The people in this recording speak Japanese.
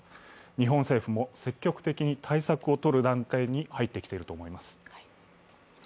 日本政府も積極的に対策をとる段階に入ってきていると思います。